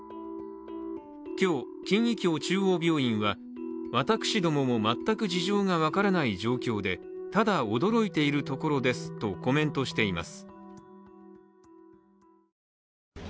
今日、勤医協中央病院は、私どもも全く事情が分からない状況でただ驚いているところですとコメントしています。